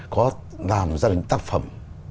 có làm ra những tác phẩm